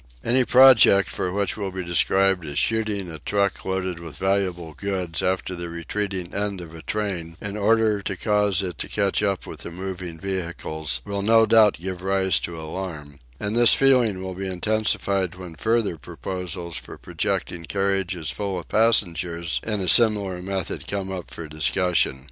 Any project for what will be described as "shooting a truck loaded with valuable goods after the retreating end of a train," in order to cause it to catch up with the moving vehicles, will no doubt give rise to alarm; and this feeling will be intensified when further proposals for projecting carriages full of passengers in a similar method come up for discussion.